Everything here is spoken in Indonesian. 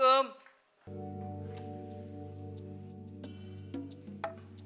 kok kagak dikunci